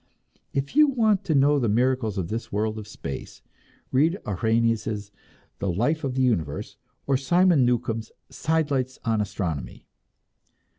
If you want to know the miracles of this world of space, read Arrhenius' "The Life of the Universe," or Simon Newcomb's "Sidelights on Astronomy."